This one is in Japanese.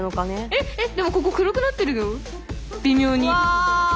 えっえっでもここ黒くなってるよ微妙に。